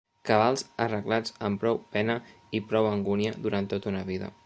Cabals arreplegats amb prou pena i prou angúnia durant tota una vida